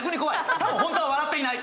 多分、ホントは笑っていない。